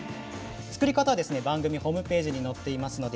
作り方は番組ホームページに載っています。